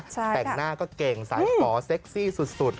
แต่งหน้าก็เก่งสายฝอเซ็กซี่สุด